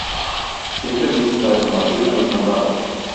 Siempre listos para combatir a los malvados!.